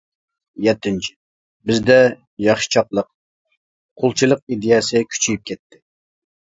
يەتتىنچى، بىزدە ياخشىچاقلىق، قۇلچىلىق ئىدىيەسى كۈچىيىپ كەتتى.